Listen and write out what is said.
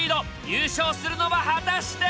優勝するのは果たして。